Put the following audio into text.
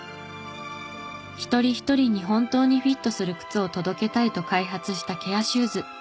一人一人に本当にフィットする靴を届けたいと開発したケアシューズ。